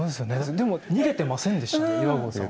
でも逃げてませんでしたね岩合さん。